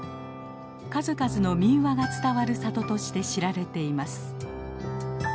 数々の民話が伝わる里として知られています。